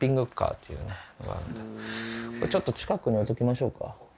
ちょっと近くに置いときましょうか。